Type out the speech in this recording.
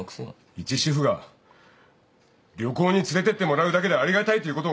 一主婦が旅行に連れてってもらうだけでありがたいということお前分かんないのか。